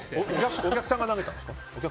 お客さんが投げたんですか？